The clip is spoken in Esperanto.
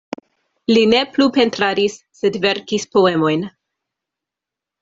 Li ne plu pentradis, sed verkis poemojn.